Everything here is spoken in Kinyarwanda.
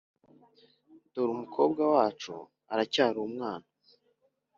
dore umukobwa wacu aracyari umwana